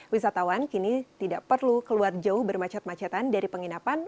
wisatawan kini tidak perlu keluar jauh bermacet macetan dari penginapan